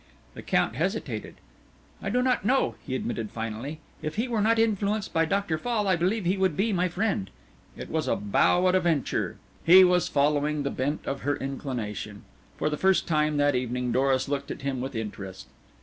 The Count hesitated. "I do not know," he admitted finally. "If he were not influenced by Dr. Fall, I believe he would be my friend." It was a bow at a venture. He was following the bent of her inclination. For the first time that evening Doris looked at him with interest.